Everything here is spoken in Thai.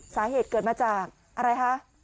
สาเหตุเกิดมาจากอะไรคะ